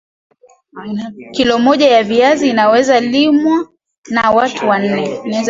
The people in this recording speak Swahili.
kilo moja ya viazi inaweza liwa na watu nne